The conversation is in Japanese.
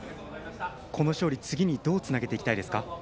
この勝利、次にどうつなげていきたいですか。